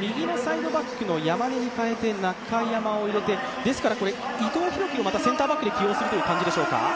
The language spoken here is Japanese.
右のサイドバックの山根を中山に代えて伊藤洋輝をまたセンターバックで起用するという感じでしょうか。